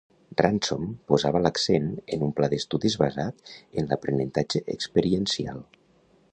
Ransom posava l'accent en un pla d'estudis basat en l'aprenentatge experiencial.